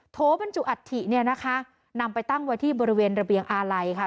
โถบรรจุอัฐิเนี่ยนะคะนำไปตั้งไว้ที่บริเวณระเบียงอาลัยค่ะ